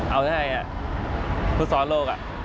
เอาหน้าไหร่พูดซ้อนโลก